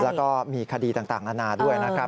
แล้วก็มีคดีต่างนานาด้วยนะครับ